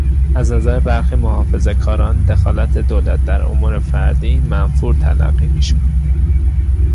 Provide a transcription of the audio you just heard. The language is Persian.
از نظر برخی محافظه کاران دخالت دولت در امور فردی منفور تلقی میشد.